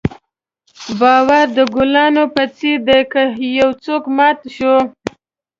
باور د ګلدان په څېر دی که یو ځل مات شو.